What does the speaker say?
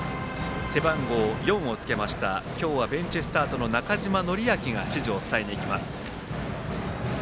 背番号４をつけましたベンチスタートの中島紀明が指示を伝えにいきます。